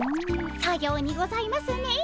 さようにございますねえ。